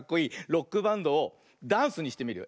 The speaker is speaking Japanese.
ロックバンドをダンスにしてみるよ。